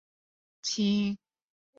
孙权也调集水军阻止曹魏入侵。